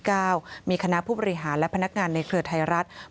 มีคณะผู้บริหารและพนักงานในเครือไทยรัฐ